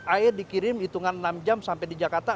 air dikirim hitungan enam jam sampai di jakarta